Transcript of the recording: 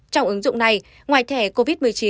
trong ứng dụng này ngoài thẻ covid một mươi chín